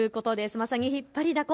まさに引っ張りだこ。